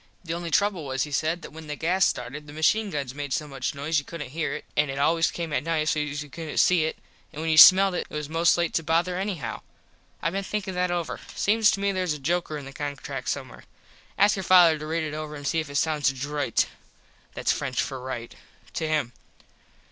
The only trouble was, he said, that when the gas started the machine guns made so much noise you couldnt hear it an it always came at night sos you couldnt see it and when you smelled it it was most to late to bother anyhow. I been thinkin that over. Seems to me theres a joker in the contract somewhere. Ask your father to read it over an see if it sound droit (thats French for right) to him.